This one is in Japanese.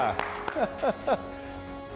ハハハ！